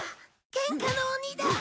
ケンカの鬼だ。